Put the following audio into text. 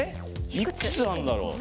いくつあんだろう。